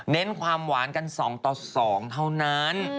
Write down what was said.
เน้นความหวานกันสองต่อสองเท่านั้น